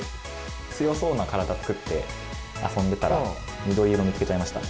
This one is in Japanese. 強そうな体作って遊んでたら緑色見つけちゃいました。